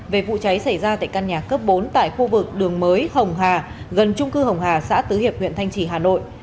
về vụ cháy xảy ra tại căn nhà cấp bốn tại khu vực đường mới hồng hà gần trung cư hồng hà xã tứ hiệp huyện thanh trì hà nội